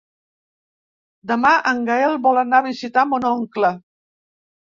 Demà en Gaël vol anar a visitar mon oncle.